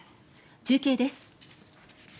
中継です。